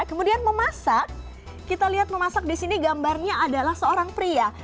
kemudian memasak kita lihat memasak di sini gambarnya adalah seorang pria